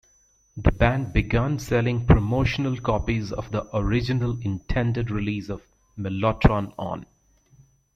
The band began selling promotional copies of the original intended release of Mellotron On!